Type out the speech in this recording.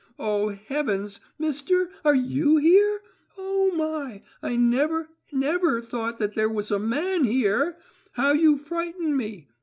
Oh heavens, Mister, are you here? Oh my, I never, never thought that there was a man here! How you frighten me!